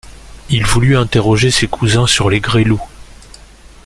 Il voulut interroger ses cousins sur les Gresloup.